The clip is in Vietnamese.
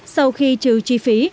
sau khi trừ chi phí